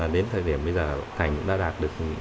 đến thời điểm bây giờ thành đã đạt được